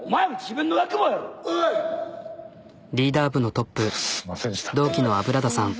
リーダー部のトップ同期の油田さん。